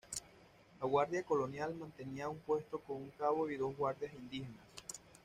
La Guardia Colonial mantenía un puesto con un cabo y dos guardias indígenas.